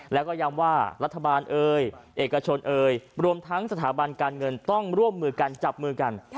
แล้วก็ย้ำว่ารัฐบาลเอ่ยเอกชนเอ่ยรวมทั้งสถาบันการเงินต้องร่วมมือกันจับมือกัน